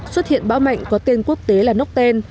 xuất hiện bão mạnh có tên quốc tế là nốc tên